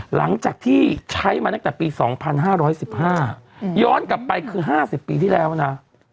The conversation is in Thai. หลังจากที่ใช้มาตั้งแต่ปี๒๕๑๕ย้อนกลับไปคือ๕๐ปีที่แล้วนะ